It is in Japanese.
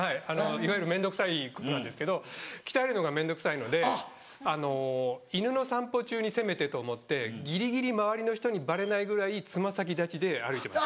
いわゆる面倒くさいことなんですけど鍛えるのが面倒くさいので犬の散歩中にせめてと思ってギリギリ周りの人にバレないぐらい爪先立ちで歩いてます。